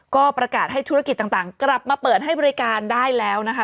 ก็ประกาศให้ธุรกิจต่างกลับมาเปิดให้บริการได้แล้วนะคะ